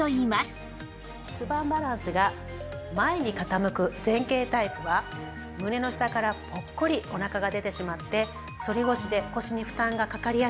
骨盤バランスが前に傾く前傾タイプは胸の下からポッコリお腹が出てしまって反腰で腰に負担がかかりやすい。